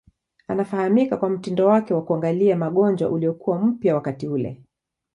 Anafahamika kwa mtindo wake wa kuangalia magonjwa uliokuwa mpya wakati ule.